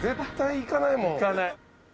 いかない。